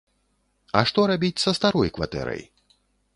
А што рабіць са старой кватэрай?